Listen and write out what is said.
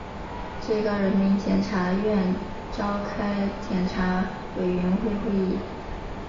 最高人民检察院召开检察委员会会议